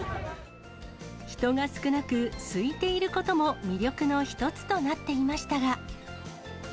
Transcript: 人が少なく、すいていることも魅力の一つとなっていましたが。